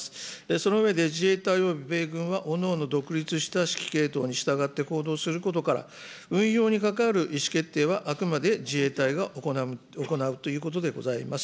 その上で、自衛隊及び米軍は各々独立した指揮系統に従って行動することから、運用に関わる意思決定は、あくまで自衛隊が行うということでございます。